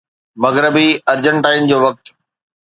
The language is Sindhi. مغربي ارجنٽائن جو وقت